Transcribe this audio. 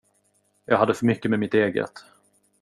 Jag hade för mycket med mitt eget.